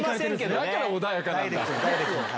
だから穏やかなんだ。